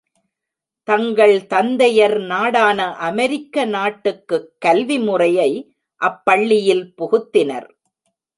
தங்கள் தந்தையர் நாடான அமெரிக்க நாட்டுக்குக் கல்வி முறையை அப்பள்ளியில் புகுத்தினர்.